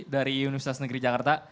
dari universitas negeri jakarta